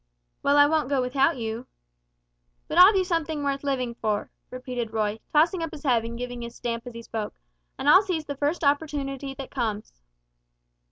"Well, I won't go without you." "But I'll do something worth living for," repeated Roy, tossing up his head and giving a stamp as he spoke; "and I'll seize the first opportunity that comes."